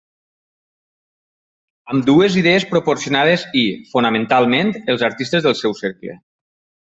Ambdues idees proporcionades i, fonamentalment, els artistes del seu cercle.